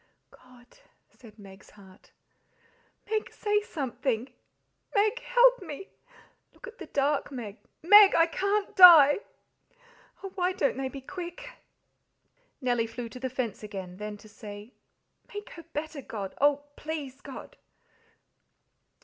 "God!" said Meg's heart. "Meg, say something. Meg, help me! Look at the dark, Meg. MEG, I can't die! Oh, why don't they be quick?" Nellie flew to the fence again; then to say, "Make her better, God oh, please, God!"